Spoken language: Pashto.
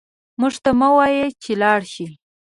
موږ ته مه وايه چې لاړ شئ